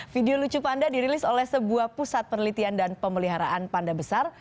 video lucu panda dirilis oleh sebuah pusat penelitian dan pemeliharaan panda besar